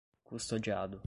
custodiado